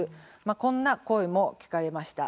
こんな声も聞かれました。